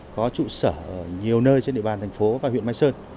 có trụ sở ở nhiều nơi trên địa bàn thành phố và huyện mai sơn